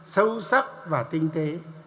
sâu sắc và tinh tế